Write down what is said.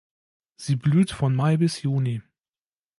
Sie blüht von Mai bis Juni.